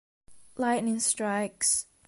Lightning Strikes